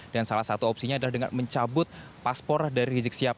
dan salah satu opsinya adalah dengan mencabut paspor dari rizik sihab